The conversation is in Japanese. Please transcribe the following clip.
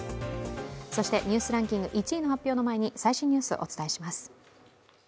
そして「ニュースランキング」１位の発表の前に最新ニュースをお伝えします。